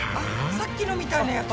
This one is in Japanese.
さっきのみたいなやつ！